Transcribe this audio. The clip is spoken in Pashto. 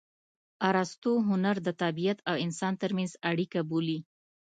ارستو هنر د طبیعت او انسان ترمنځ اړیکه بولي